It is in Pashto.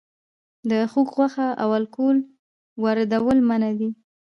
د خوګ غوښه او الکول واردول منع دي؟